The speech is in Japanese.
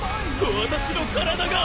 私の体が。